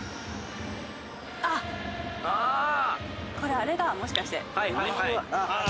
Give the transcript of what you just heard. あっこれあれだもしかして。